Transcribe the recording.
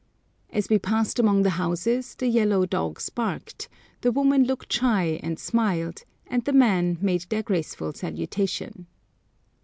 As we passed among the houses the yellow dogs barked, the women looked shy and smiled, and the men made their graceful salutation.